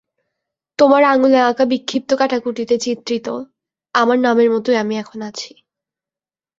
তোমার আঙুলে আঁকা, বিক্ষিপ্ত কাটাকুটিতে চিত্রিত, আমার নামের মতোই আমি এখন আছি।